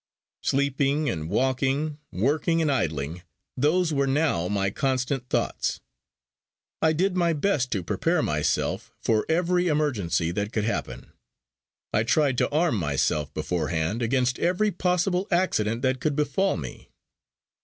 Sleeping and walking working and idling those were now my constant thoughts. I did my best to prepare myself for every emergency that could happen; I tried to arm myself beforehand against every possible accident that could befall me.